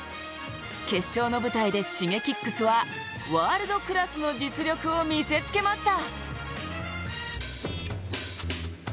決勝の舞台でＳｈｉｇｅｋｉｘはワールドクラスの実力を見せつけました。